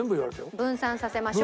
分散させましょう。